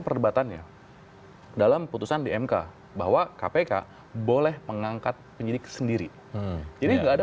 perdebatannya dalam putusan di mk bahwa kpk boleh mengangkat penyidik sendiri jadi enggak ada